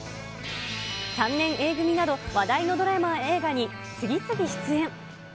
３年Ａ組など話題のドラマや映画に次々出演。